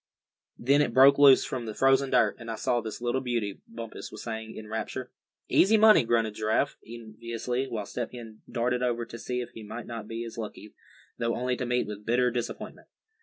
Then it broke loose from the frozen dirt, and I saw this little beauty," Bumpus was saying, in rapture. "Easy money!" grunted Giraffe, enviously; while Step Hen darted over to see if he might not be as lucky, though only to meet with bitter disappointment.